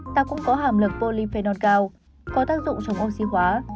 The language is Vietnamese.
táo cũng có hàm lực polyphenol cao có tác dụng chống oxy hóa